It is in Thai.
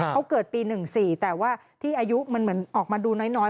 เขาเกิดปี๑๔แต่ว่าที่อายุมันเหมือนออกมาดูน้อย